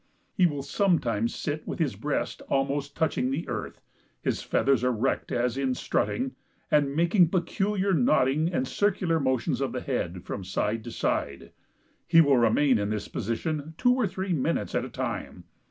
He will sometimes sit with his breast almost touching the earth, his feathers erect as in strutting, and making peculiar nodding and circular motions of the head from side to side; he will remain in this position two or three minutes at a time.